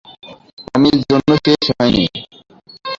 টমির জন্য শেষ হয়নি।